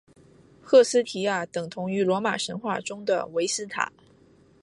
赫斯提亚等同于罗马神话中的维斯塔。